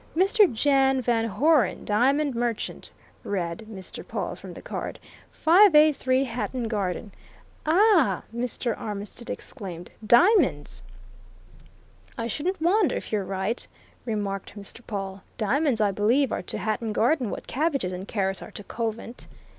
"Mr. Jan Van Hoeren, Diamond Merchant," read Mr. Pawle from the card, "583 Hatton Garden " "Ah!" Mr. Armitstead exclaimed. "Diamonds!" "I shouldn't wonder if you're right," remarked Mr. Pawle. "Diamonds, I believe, are to Hatton Garden what cabbages and carrots are to Covent."